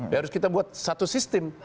ya harus kita buat satu sistem